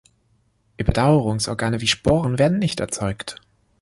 Überdauerungsorgane wie Sporen werden nicht erzeugt.